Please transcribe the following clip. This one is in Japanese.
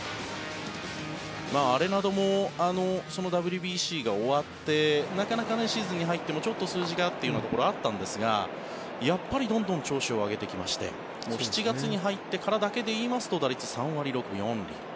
アレナドもそのＷＢＣが終わってなかなかシーズンに入ってもちょっと数字がというところがあったんですがやっぱりどんどん調子を上げてきまして７月に入ってからだけで言いますと、打率３割６分４厘。